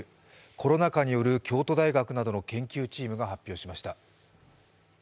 コロナ禍による京都大学などの研究チームが発表しました。